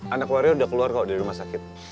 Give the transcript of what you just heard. anak waria udah keluar kok dari rumah sakit